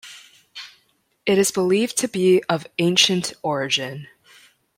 It is believed to be of ancient origin.